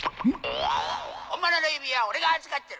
本物の指輪は俺が預かってる！